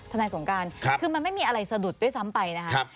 นายสงการคือมันไม่มีอะไรสะดุดด้วยซ้ำไปนะครับ